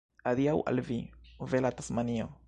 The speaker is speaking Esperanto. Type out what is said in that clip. Adiaŭ al vi, bela Tasmanio!